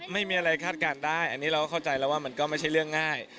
ไม่มีอะไรคาดการณ์ได้อันนี้เราเข้าใจแล้วว่ามันก็ไม่ใช่เรื่องง่าย